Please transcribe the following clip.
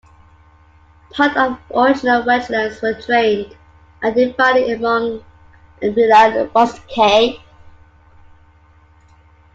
Part of the original wetlands were drained and divided among "villae rusticae".